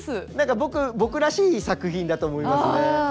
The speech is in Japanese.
僕僕らしい作品だと思いますね。